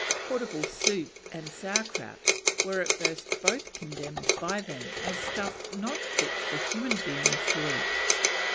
Portable soup and sour kraut were at first both condemned by them as stuff not fit for human beings to eat.